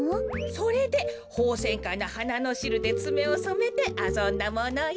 それでホウセンカのはなのしるでつめをそめてあそんだものよ。